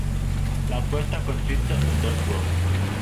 La puesta consiste en dos huevos.